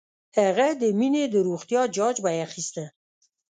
هغه د مينې د روغتيا جاج به یې اخيسته